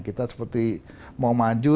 kita seperti mau maju